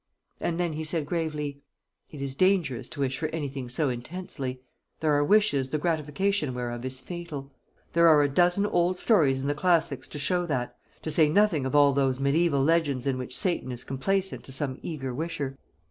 And then he said gravely: "It is dangerous to wish for anything so intensely. There are wishes the gratification whereof is fatal. There are a dozen old stories in the classics to show that; to say nothing of all those mediaeval legends in which Satan is complaisant to some eager wisher."